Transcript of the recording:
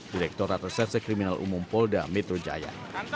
direkturat reserse kriminal umum polda metro jaya